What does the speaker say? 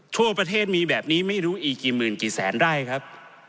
ทั่วประเทศมีแบบนี้ไม่รู้อีกกี่หมื่นกี่แสนไร่ครับ